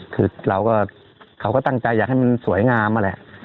คือเราก็เขาก็ตั้งใจอยากให้มันสวยงามนั่นแหละ